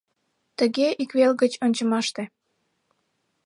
Тыге ик вел гыч ончымаште.